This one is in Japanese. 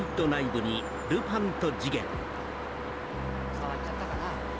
触っちゃったかな？